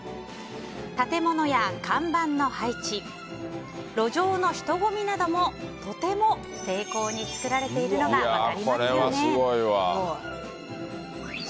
建物や看板の配置路上の人混みなどもとても精巧に作られているのが分かりますよね。